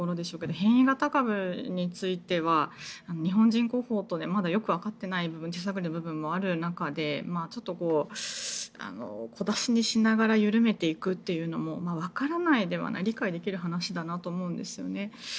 変異株については日本人でまだよくわかっていない部分がある中でちょっと小出しにしながら緩めていくというのはわからないではない理解できる話だなと思うんですよね。